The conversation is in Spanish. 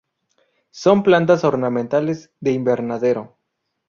Son plantas ornamentales de invernadero.